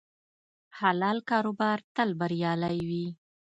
حلال کاروبار تل بریالی وي.